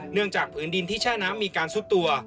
จากผืนดินที่แช่น้ำมีการซุดตัว